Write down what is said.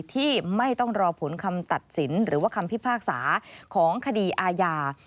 ที่ไม่ต้องรอผลคำตัดสินหรือว่าคำพิพากษาของคดีอาญา